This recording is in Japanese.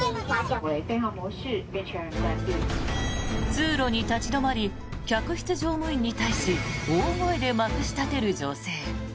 通路に立ち止まり客室乗務員に対し大声でまくし立てる女性。